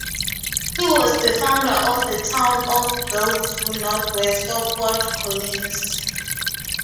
He was the founder of the town of Bellvue northwest of Fort Collins.